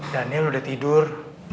daniel udah tidur